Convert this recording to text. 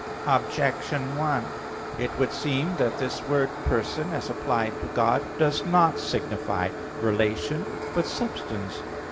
Objection 1: It would seem that this word "person," as applied to God, does not signify relation, but substance.